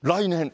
来年？